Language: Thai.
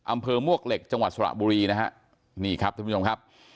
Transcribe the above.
อำเภอมวกเหล็กจังหวัดสระบุรีนะฮะนี่ครับท่านผู้ชมครับ